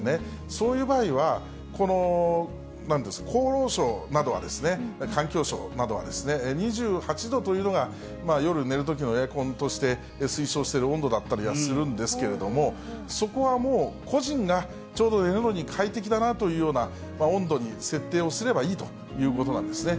そういう場合は、厚労省などはですね、環境省などは、２８度というのが夜寝るときのエアコンとして推奨している温度だったりするんですけれども、そこはもう、個人がちょうど寝るのに快適だなという温度に設定をすればいいということなんですね。